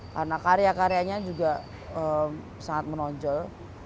karena karya karyanya juga sangat menonjol